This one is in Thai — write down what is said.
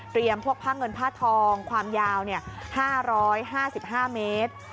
เตรียมพวกพ่างเงินพ่าทองความยาว๕๕๕เมตร